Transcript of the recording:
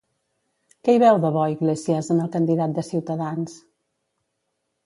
Què hi veu de bo, Iglesias, en el candidat de Ciutadans?